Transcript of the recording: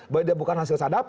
bahwa dia bukan hasil sadapan